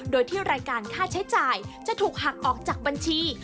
โดยที่รายการค่าใช้จ่ายจะถูกหักออกจากบัญชี